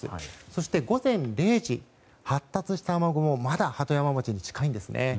そして、午前０時発達した雨雲はまだ鳩山町に近いんですね。